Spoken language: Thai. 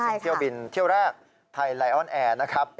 เป็นเที่ยวบินเที่ยวแรกไทยไลออนแอร์นะครับ